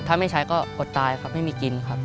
ถ้าไม่ใช้ก็อดตายครับไม่มีกินครับ